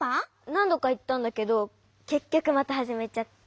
なんどかいったんだけどけっきょくまたはじめちゃって。